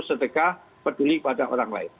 sedekah peduli kepada orang lain